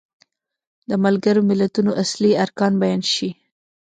د ملګرو ملتونو اصلي ارکان بیان شي.